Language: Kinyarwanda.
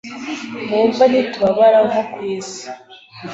Mu mva ntitubabara nko kwisi